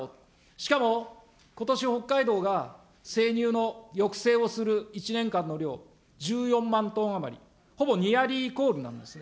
しかも、ことし北海道が生乳の抑制をする１年間の量、１４万トン余り、ほぼなんですね。